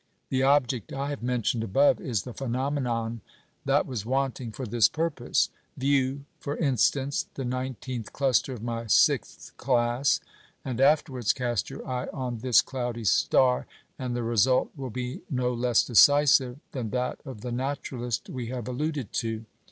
The object I have mentioned above is the phenomenon that was wanting for this purpose. View, for instance, the 19th cluster of my 6th class, and afterwards cast your eye on this cloudy star, and the result will be no less decisive than that of the naturalist we have alluded to.